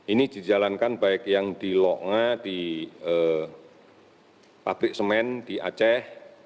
ini dijalankan baik yang di lok nga di pabrik semen di aceh